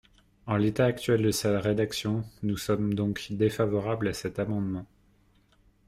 En l’état actuel de sa rédaction, nous sommes donc défavorables à cet amendement.